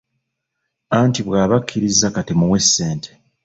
Anti bw’aba akkirizza kati muwe ssente.